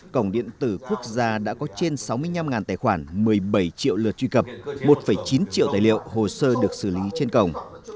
cổng điện tử quốc gia đã có trên sáu mươi năm tài khoản một mươi bảy triệu lượt truy cập một chín triệu tài liệu hồ sơ được xử lý trên cổng